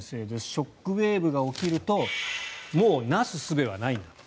ショックウェーブが起きるともう、なすすべはないんだと。